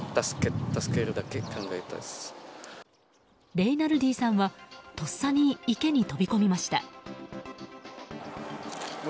レイナルディさんはとっさに池に飛び込みました。